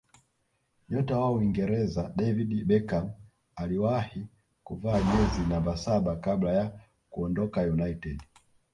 nyota wa uingereza david beckham aliwahi kuvaa jezi namba saba kabla ya kuondoka united